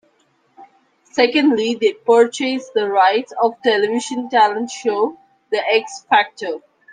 Secondly they purchased the rights of television talent show The X Factor.